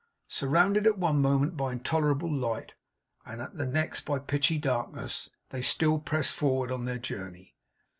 Surrounded at one moment by intolerable light, and at the next by pitchy darkness, they still pressed forward on their journey.